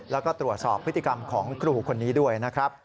แล้วก็ตรวจสอบพฤติกรรมของครูคนนี้ด้วยนะครับ